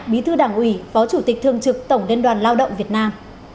bí thư đảng ủy phó chủ tịch thường trực tổng liên đoàn lao động việt nam